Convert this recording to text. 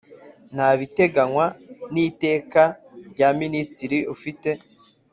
ntabiteganywa n ‘iteka rya Minisitiri ufite.